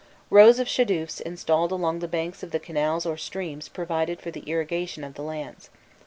Rows of shadufs installed along the banks of the canals or streams provided for the irrigation of the lands.